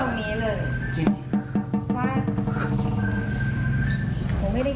ว่าผมไม่ได้ขี้ขี้มันเป็นอ้วน